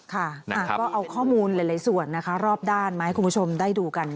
ค่ะก็เอาข้อมูลหลายส่วนนะคะรอบด้านมาให้คุณผู้ชมได้ดูกัน